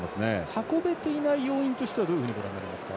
運べていない要因としてはどうご覧になりますか？